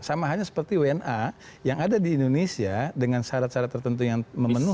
sama hanya seperti wna yang ada di indonesia dengan syarat syarat tertentu yang memenuhi